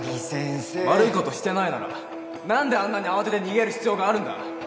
悪いことしてないなら何で慌てて逃げる必要があるんだ